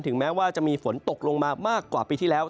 แม้ว่าจะมีฝนตกลงมามากกว่าปีที่แล้ว